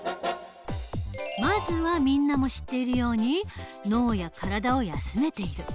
まずはみんなも知っているように脳や体を休めている。